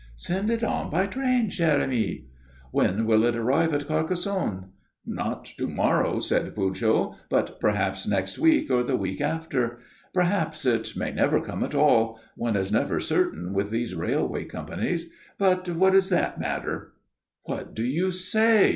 "Send it on by train, chère amie." "When will it arrive at Carcassonne?" "Not to morrow," said Pujol, "but perhaps next week or the week after. Perhaps it may never come at all. One is never certain with these railway companies. But what does that matter?" "What do you say?"